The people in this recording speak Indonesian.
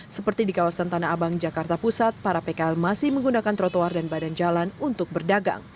seperti di kawasan tanah abang jakarta pusat para pkl masih menggunakan trotoar dan badan jalan untuk berdagang